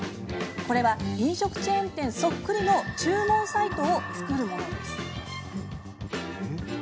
これは飲食チェーン店そっくりの注文サイトを作るものです。